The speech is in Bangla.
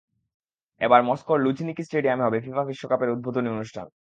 এবার মস্কোর লুঝনিকি স্টেডিয়ামে হবে ফিফা বিশ্বকাপের উদ্বোধনী অনুষ্ঠান।